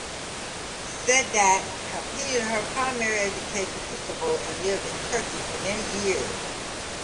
Sadat completed her primary education in Istanbul and lived in Turkey for many years.